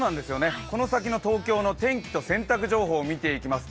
この先の東京の天気と洗濯情報を見ていきます。